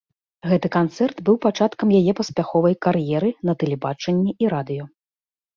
Гэты канцэрт быў пачаткам яе паспяховай кар'еры на тэлебачанні і радыё.